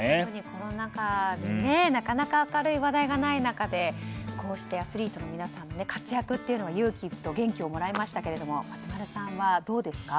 コロナ禍でなかなか明るい話題がない中でこうしてアスリートの皆さんの活躍というものには勇気と元気をもらいましたけれど松丸さんはどうですか？